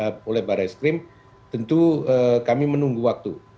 jadi kalau ada penyidikan tentu kami menunggu waktu